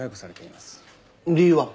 理由は？